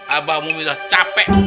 abah mau milah capek